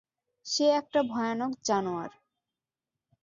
সে একটা ভয়ানক জানোয়ার।